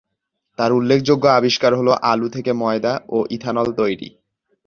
তার উল্লেখযোগ্য আবিষ্কার হল আলু থেকে ময়দা ও ইথানল তৈরি।